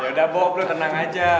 yaudah bob tenang aja